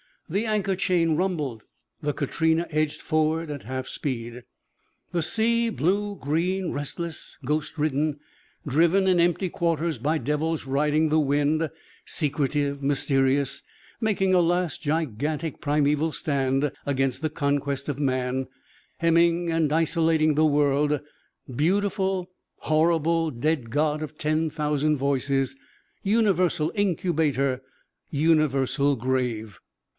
The anchor chain rumbled. The Katrina edged forward at half speed. The sea. Blue, green, restless, ghost ridden, driven in empty quarters by devils riding the wind, secretive, mysterious, making a last gigantic, primeval stand against the conquest of man, hemming and isolating the world, beautiful, horrible, dead god of ten thousand voices, universal incubator, universal grave.